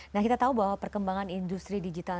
nah kita tahu bahwa perkembangan industri digital